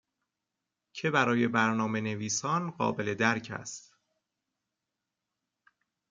که برای برنامه نویسان قابل درک است